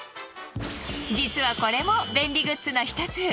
実はこれも便利グッズの１つ。